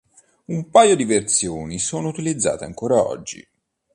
Un paio di versioni sono utilizzate ancora oggi.